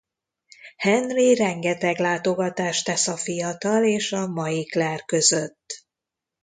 Henry rengeteg látogatást tesz a fiatal és a mai Claire között.